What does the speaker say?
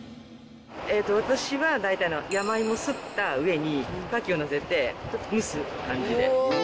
私は、大体、山芋すった上に、カキを載せて蒸す感じで。